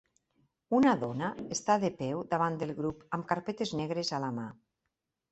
Una dona està de peu davant del grup amb carpetes negres a la mà.